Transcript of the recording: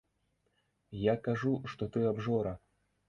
Я кажу, што ты абжора.